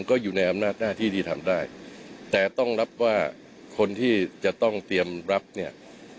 ก็อยู่ในอำนาจหน้าที่ที่ทำได้แต่ต้องรับว่าคนที่จะต้องเตรียมรับเนี่ย